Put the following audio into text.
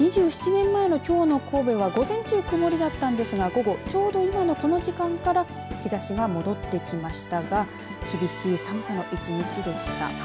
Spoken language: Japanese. ２７年前のきょうの神戸は午前中曇りだったんですが午後、ちょうど今の時間から日ざしが戻ってきましたが厳しい寒さの１日でした。